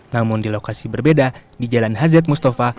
namun di lokasi berbeda di jalan hazet mustafa